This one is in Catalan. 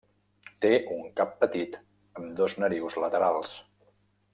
Té un cap petit amb dos narius laterals.